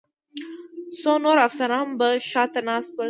څو نور افسران به شا ته ناست ول.